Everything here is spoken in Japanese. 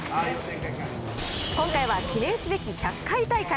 今回は記念すべき１００回大会。